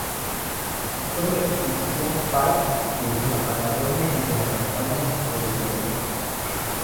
Participó de la Expedición Py a la Patagonia y de la campaña del Bermejo.